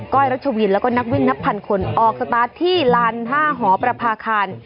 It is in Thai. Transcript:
้อยรัชวินแล้วก็นักวิ่งนับพันคนออกสตาร์ทที่ลาน๕หอประพาคาร